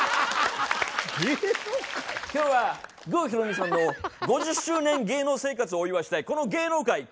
今日は郷ひろみさんの５０周年芸能生活をお祝いしてこの芸能界駆けつけました。